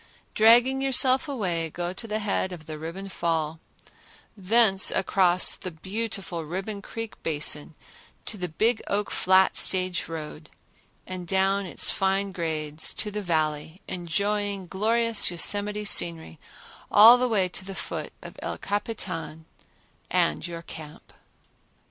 Dragging yourself away, go to the head of the Ribbon Fall, thence across the beautiful Ribbon Creek Basin to the Big Oak Flat stage road, and down its fine grades to the Valley, enjoying glorious Yosemite scenery all the way to the foot of El Capitan and your camp.